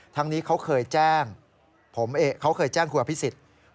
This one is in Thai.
ทั้งนี้เขาเคยแจ้งผมเขาเคยแจ้งคุณอภิษฎ